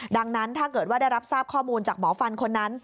ดังนั้นถ้าเกิดว่าได้รับทราบข้อมูลจากหมอฟันคนนั้น